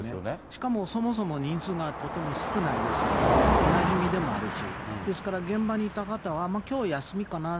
しかも、そもそも人数がとても少ないですので、おなじみでもあるし、ですから現場にいた方は、きょう休みかな？